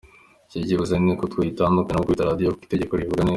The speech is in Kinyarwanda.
Icyo bivuze ni uko tuyitandukanya no kuyita radio, kuko itegeko ribivuga neza.